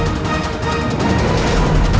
aku akan menangkutmu